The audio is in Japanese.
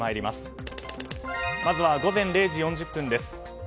まずは、午前０時４０分です。